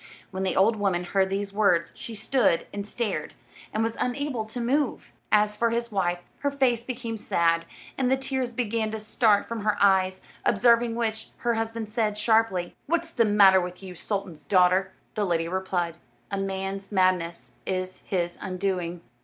When the old woman heard these words, she stood and stared, and was unable to move. As for his wife, her face became sad, and the tears began to start from her eyes; observing which, her husband said, sharply, "What's the matter with you, sultan's daughter?" The lady replied, "A man's madness is his undoing."